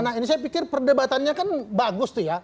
nah ini saya pikir perdebatannya kan bagus tuh ya